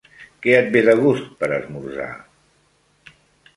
Què et ve de gust per esmorzar?